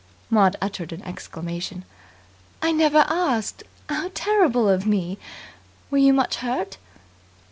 Maud uttered an exclamation. "I never asked! How terrible of me. Were you much hurt?"